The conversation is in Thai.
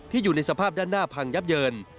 อยู่ในสภาพด้านหน้าพังยับเยิน